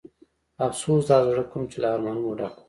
افسوس د هغه زړه کوم چې له ارمانونو ډک و.